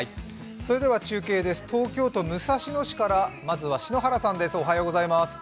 それでは中継です、東京都武蔵野市からまずは篠原さんです。